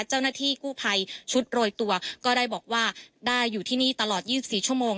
เจ้าหน้าที่กู้ภัยชุดโรยตัวก็ได้บอกว่าได้อยู่ที่นี่ตลอด๒๔ชั่วโมง